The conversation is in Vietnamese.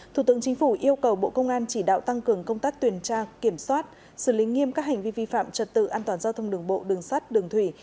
thủ tướng chính phủ yêu cầu bộ công an chỉ đạo tăng cường công tác tuyển tra kiểm soát xử lý nghiêm các hành vi vi phạm trật tự an toàn giao thông đường bộ đường sắt đường thủy